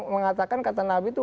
mengatakan kata nabi itu